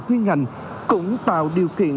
khuyên ngành cũng tạo điều kiện